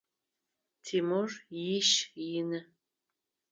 Тимур иш ины.